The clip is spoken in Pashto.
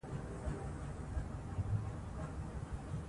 مرچلونه نیول سوي وو.